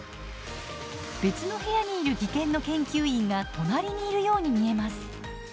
別の部屋にいる技研の研究員が隣にいるように見えます。